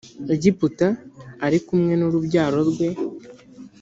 egiputa ari kumwe n’urubyaro rwe